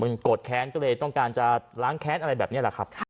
มันโกรธแค้นก็เลยต้องการจะล้างแค้นอะไรแบบนี้แหละครับ